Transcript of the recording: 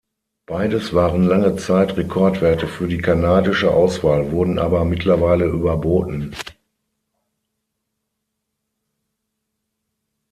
Beides waren lange Zeit Rekordwerte für die kanadische Auswahl, wurden aber mittlerweile überboten.